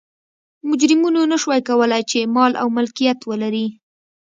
مجرمینو نه شوای کولای چې مال او ملکیت ولري.